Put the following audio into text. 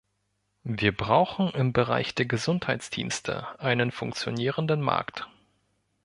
Wir brauchen im Bereich der Gesundheitsdienste einen funktionierenden Markt.